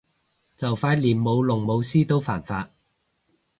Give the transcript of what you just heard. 就快連舞龍舞獅都犯法